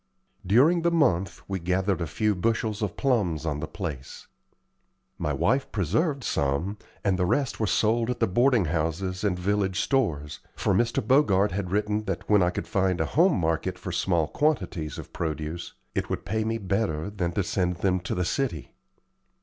During the month we gathered a few bushels of plums on the place. My wife preserved some, and the rest were sold at the boarding houses and village stores, for Mr. Bogart had written that when I could find a home market for small quantities of produce, it would pay me better than to send them to the city.